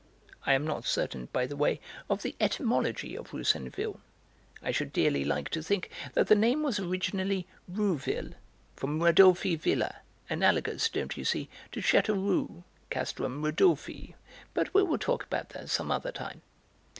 (I am not certain, by the way, of the etymology of Roussainville. I should dearly like to think that the name was originally Rouville, from Radulfi villa, analogous, don't you see, to Châteauroux, Castrum Radulfi, but we will talk about that some other time.)